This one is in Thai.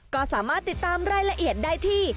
ก็สามารถติดตามรายละเอียดได้ที่